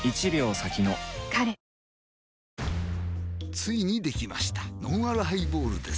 ついにできましたのんあるハイボールです